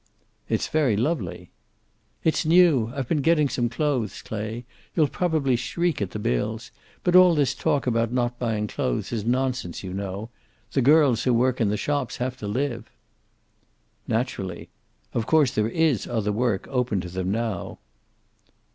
"It's very lovely." "It's new. I've been getting some clothes, Clay. You'll probably shriek at the bills. But all this talk about not buying clothes is nonsense, you know. The girls who work in the shops have to live." "Naturally. Of course there is other work open to them now."